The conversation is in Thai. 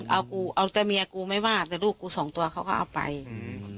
เอากูเอาแต่เมียกูไม่ว่าแต่ลูกกูสองตัวเขาก็เอาไปอืม